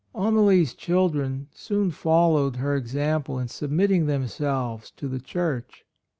Amalie's children soon followed her example in submitting them selves to the Church.